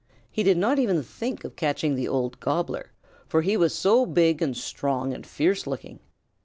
He did not even think of catching the old Gobbler, for he was so big and strong and fierce looking.